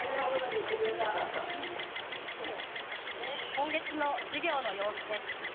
今月の授業の様子です。